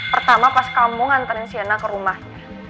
pertama pas kamu ngantarin sienna ke rumahnya